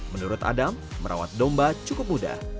menurut adam merawat domba cukup mudah